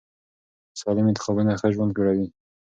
سالم انتخابونه ښه ژوند جوړوي.